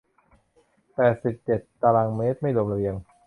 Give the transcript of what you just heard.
แปดสิบเจ็ดตารางเมตร ไม่รวมระเบียง